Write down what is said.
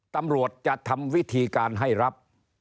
ตำรวจจะทำวิธีการให้รับ